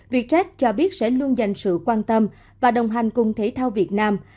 vietjet cho biết sẽ luôn dành sự quan tâm và đồng hành cùng thể thao việt nam